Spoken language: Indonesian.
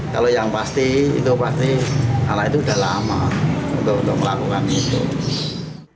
kalau yang pasti itu pasti anak itu sudah lama untuk melakukan itu